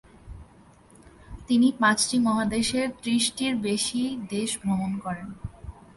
তিনি পাঁচটি মহাদেশের ত্রিশটিরও বেশি দেশ ভ্রমণ করেন।